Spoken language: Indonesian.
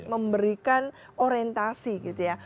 memberikan orientasi gitu ya